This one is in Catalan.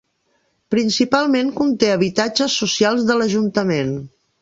Principalment conté habitatges socials de l'ajuntament.